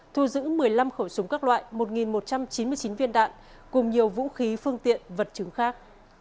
thu giữ một mươi năm khẩu súng các loại một một trăm chín mươi chín viên đạn cùng nhiều vũ khí phương tiện vật chứng khác